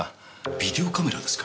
ビデオカメラですか？